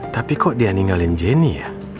tapi kok dia ninggalin jenny ya